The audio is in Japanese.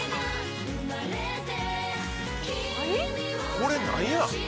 これ何や？